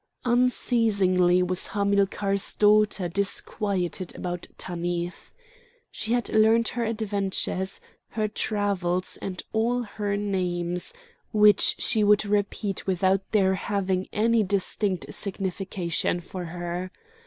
Unceasingly was Hamilcar's daughter disquieted about Tanith. She had learned her adventures, her travels, and all her names, which she would repeat without their having any distinct signification for her.